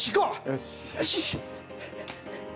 よし！